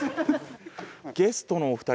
ゲストのお二人